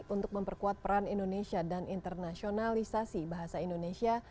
untuk memperkuat peran indonesia dan internasionalisasi bahasa indonesia